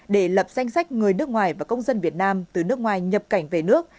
để lập danh sách người nước ngoài và công dân việt nam từ nước ngoài nhập cảnh về nước